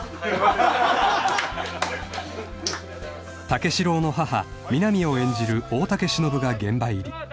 ［武四郎の母南を演じる大竹しのぶが現場入り］